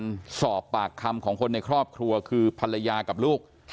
การสอบปากคำของคนในครอบครัวคือภรรยากับลูก